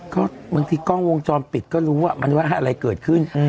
ก็บางทีกล้องวงจรปิดก็รู้ว่ามันว่าอะไรเกิดขึ้น